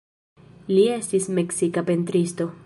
Li estis meksika pentristo.